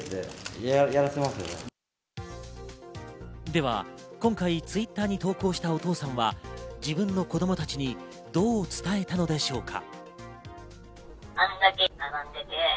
では、今回Ｔｗｉｔｔｅｒに投稿したお父さんは、自分の子供たちにどう伝えたのでしょうか？